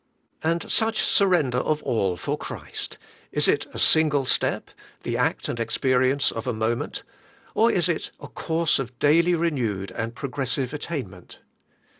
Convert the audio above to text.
And such surrender of all for Christ, is it a single step, the act and experience of a moment, or is it a course of daily renewed and progressive attainment?